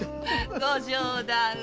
ご冗談を。